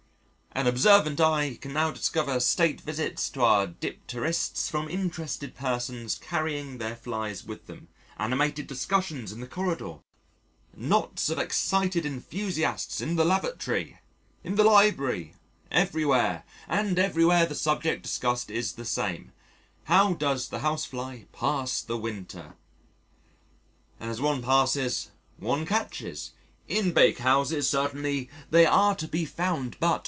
An observant eye can now discover state visits to our dipterists from interested persons carrying their flies with them, animated discussions in the corridor, knots of excited enthusiasts in the Lavatory, in the Library, everywhere and everywhere the subject discussed is the same: How does the Housefly pass the winter? As one passes one catches: "In Bakehouses certainly they are to be found but...."